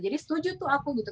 jadi setuju tuh aku gitu